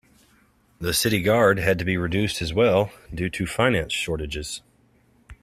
The city guard had to be reduced as well due to finance shortages.